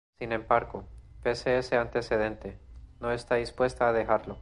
Sin embargo, pese a ese antecedente, no está dispuesta a dejarlo.